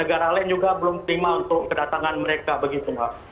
mereka juga belum terima kedatangan mereka begitu